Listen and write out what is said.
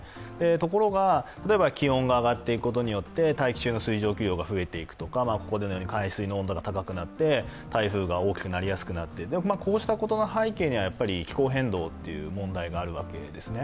ところが、例えば気温が上がっていくことによって大気中の水蒸気量が増えていくとかここで海水の温度が高くなって、台風が大きくなりやすくなって、こうした背景には、気候変動という問題があるわけですね。